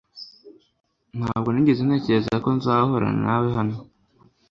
Ntabwo nigeze ntekereza ko nzahurira nawe hano